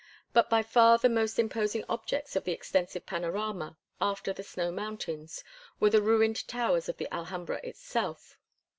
But by far the most imposing objects in the extensive panorama, after the snow mountains, were the ruined towers of the Alhambra itself.